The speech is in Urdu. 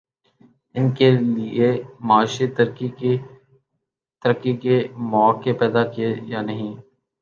ان کے لیے معاشی ترقی کے مواقع پیدا کیے یا نہیں؟